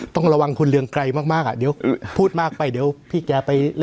ต้องระวังคุณเรืองไกรมากอ่ะเดี๋ยวพูดมากไปเดี๋ยวพี่แกไป